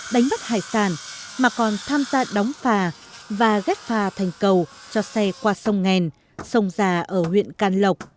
đánh bắt hải sản mà còn tham gia đóng phà và ghép phà thành cầu cho xe qua sông nghèn sông già ở huyện can lộc